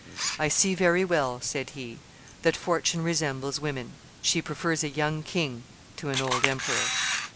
"I see very well," said he, "that fortune resembles women; she prefers a young king to an old emperor."